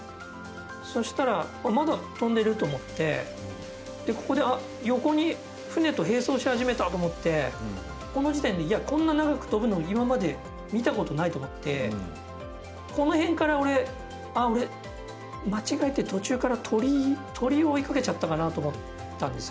そしたらまだ飛んでると思ってで、ここで横に船と並走し始めたと思ってこの時点で、こんな長く飛ぶの今まで見たことないと思ってこの辺から俺、間違えて途中から鳥を追いかけちゃったかなと思ったんですよ。